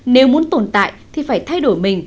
nếu muốn tồn tại thì phải thay đổi mình